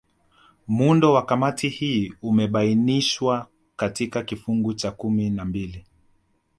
Muundo wa Kamati hii umebainishwa katika kifungu cha kumi na mbili